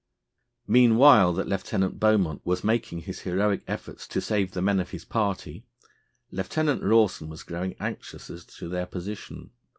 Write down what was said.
Meanwhile that Lieutenant Beaumont was making his heroic efforts to save the men of his party, Lieutenant Rawson was growing anxious as to their position.